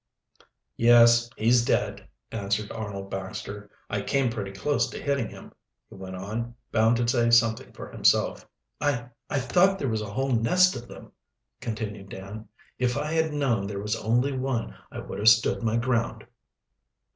"Yes, he's dead," answered Arnold Baxter. "I came pretty close to hitting him," he went on, bound to say something for himself. "I I thought there was a whole nest of them," continued Dan. "If I had known there was only one, I would have stood my ground."